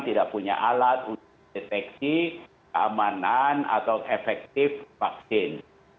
tidak punya alat untuk deteksi keamanan atau efektif vaksin